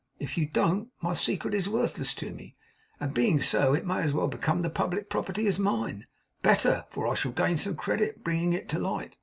If you don't, my secret is worthless to me: and being so, it may as well become the public property as mine; better, for I shall gain some credit, bringing it to light.